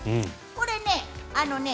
これね、あのね